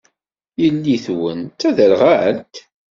Yelli-twen d taderɣalt?